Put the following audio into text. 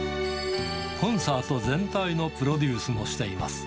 コンサート全体のプロデュースもしています。